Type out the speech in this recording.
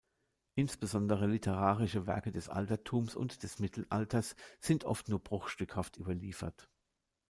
Insbesondere literarische Werke des Altertums und des Mittelalters sind oft nur bruchstückhaft überliefert.